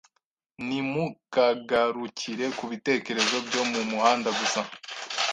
Ntimukagarukire ku bitekerezo byo mu muhanda gusa